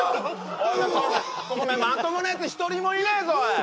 おここにまともなやつ１人もいねえぞおい！